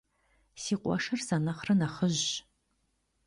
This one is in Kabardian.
Си къуэшыр сэ нэхърэ нэхъыжьщ.